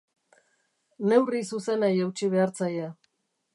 Neurri zuzenei eutsi behar zaie.